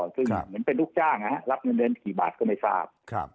ซึ่งเหมือนเป็นลูกจ้างรับเงินเดือนกี่บาทก็ไม่ทราบ